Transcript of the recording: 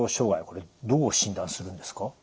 これどう診断するんですか？